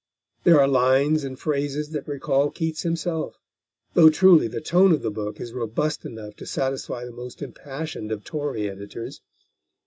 There are lines and phrases that recall Keats himself, though truly the tone of the book is robust enough to satisfy the most impassioned of Tory editors.